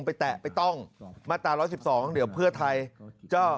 แตะไปต้องมาตรา๑๑๒เดี๋ยวเพื่อไทยจะ